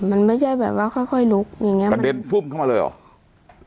มันไม่ใช่แบบว่าค่อยลุกอย่างเงี้กระเด็นฟุ่มเข้ามาเลยเหรอ